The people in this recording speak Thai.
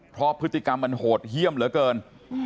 เพราะพฤติกรรมมันโหดเยี่ยมเหลือเกิน